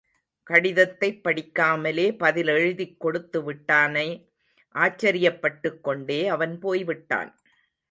கடிதத்தைப் படிக்காமலே பதில் எழுதிக் கொடுத்து விட்டானே! ஆச்சரியப்பட்டுக் கொண்டே அவன் போய்விட்டான்.